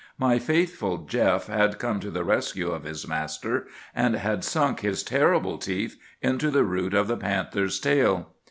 My faithful Jeff had come to the rescue of his master, and had sunk his terrible teeth into the root of the panther's tail.